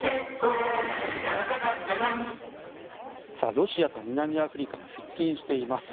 ロシアと南アフリカが接近しています。